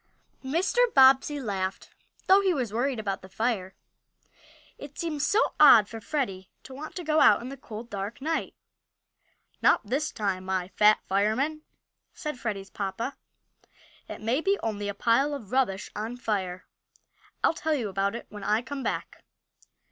MR. BOBBSEY laughed, though he was worried about the fire. It seemed so odd for Freddie to want to go out in the cold, dark night. "Not this time, my Fat Fireman!" said Freddie's papa. "It may be only a pile of rubbish on fire. I'll tell you about it when I come back."